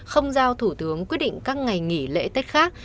không giao thủ tướng quyết định các ngày nghỉ lễ tết khác